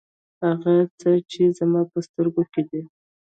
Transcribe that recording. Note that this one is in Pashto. هغه څه چې زما په سترګو کې دي.